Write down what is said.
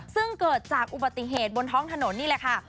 ซึ่งเกิดจากอุบัติเหตุบนท้องถนนนี่แหละค่ะ